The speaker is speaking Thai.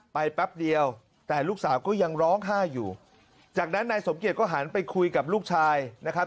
แป๊บเดียวแต่ลูกสาวก็ยังร้องไห้อยู่จากนั้นนายสมเกียจก็หันไปคุยกับลูกชายนะครับ